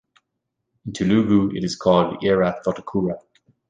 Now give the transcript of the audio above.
In Telugu it is called 'yerra thotakura'.